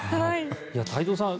太蔵さん